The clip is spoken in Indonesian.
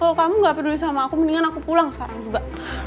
kalau kamu gak peduli sama aku mendingan aku pulang sekarang juga